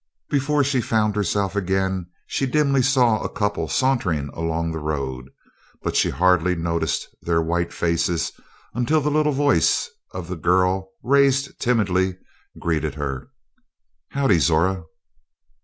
Before she found herself again she dimly saw a couple sauntering along the road, but she hardly noticed their white faces until the little voice of the girl, raised timidly, greeted her. "Howdy, Zora."